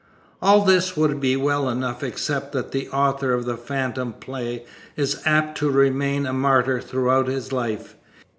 All this would be well enough except that the author of a phantom play is apt to remain a martyr throughout his life.